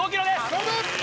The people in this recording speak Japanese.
頼む！